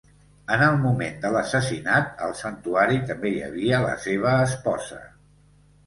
En el moment de l'assassinat, al santuari també hi havia la seva esposa.